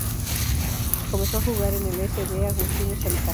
Comenzó a jugar en el C. D. Agustinos Alicante.